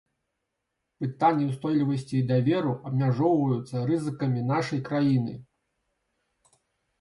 Пытанне ўстойлівасці і даверу абмяжоўваюцца рызыкамі нашай краіны.